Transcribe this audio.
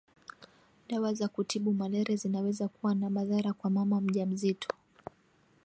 dawa za kutibu malaria zinaweza kuwa na madhara kwa mama mjamzito